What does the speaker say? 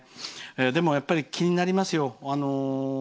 でもやっぱり、気になりますよ。